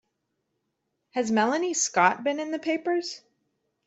Has Melanie Scott been in the papers?